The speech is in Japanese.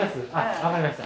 分かりました。